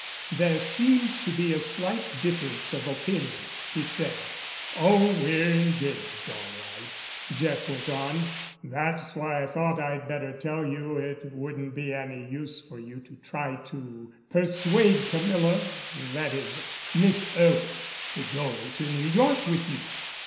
"There seems to be a slight difference of opinion," he said. "Oh, we're engaged all right," Jeff went on. "That's why I thought I'd better tell you it wouldn't be any use for you to try to persuade Camilla—that is, Miss Irwin—to go to New York with you."